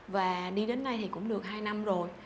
và đi đến nay thì cũng được hai năm rồi